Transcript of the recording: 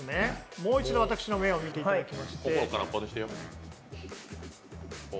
もう一度私の目を見ていただきまして。